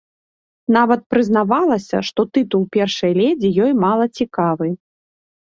Нават прызнавалася, што тытул першай лэдзі ёй мала цікавы.